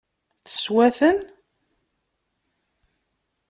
Teswa-ten?